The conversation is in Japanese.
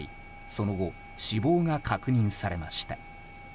その後、死亡が確認されました。